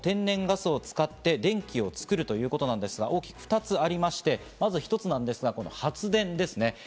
天然ガスを使って、電気を作るということなんですが、大きく２つありまして、まず一つなんですが、発電ですね。